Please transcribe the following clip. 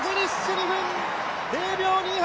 ２分０秒２８。